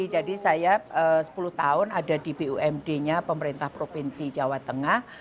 jadi saya sepuluh tahun ada di bumd nya pemerintah provinsi jawa tengah